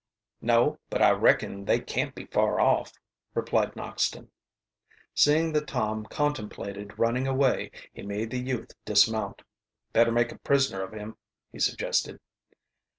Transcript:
"No, but I reckon they can't be far off," replied Noxton. Seeing that Tom contemplated running away, he made the youth dismount. "Better make a prisoner of him," he suggested.